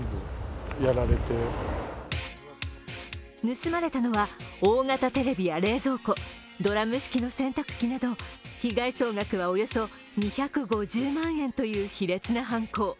盗まれたのは大型テレビや冷蔵庫ドラム式の洗濯機など被害総額はおよそ２５０万円という卑劣な犯行。